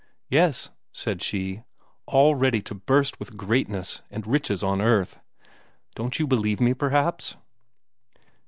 "Yes," said she, all ready to burst with greatness and riches on earth. "Don't you believe me, perhaps?"